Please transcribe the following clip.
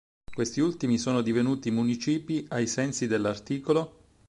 Questi ultimi sono divenuti municipi ai sensi dell'art.